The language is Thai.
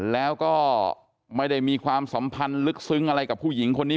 แล้วก็ไม่ได้มีความสัมพันธ์ลึกซึ้งอะไรกับผู้หญิงคนนี้